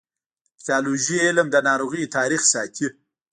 د پیتالوژي علم د ناروغیو تاریخ ساتي.